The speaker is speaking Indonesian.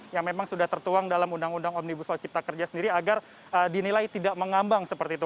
yang memang sudah tertuang dalam undang undang omnibus law cipta kerja sendiri agar dinilai tidak mengambang seperti itu